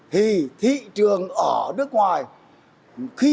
thì thị trường ở nước ngoài